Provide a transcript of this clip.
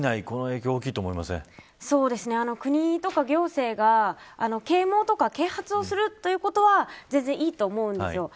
この影響は国とか行政が啓蒙や啓発をするということは全然いいと思うんです。